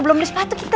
belum beli sepatu kita